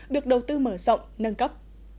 được đầu tư mở rộng nâng cấp